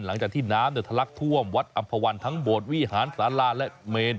หลังจากที่น้ำทะลักท่วมวัดอำภาวันทั้งโบสถวิหารศาลาและเมน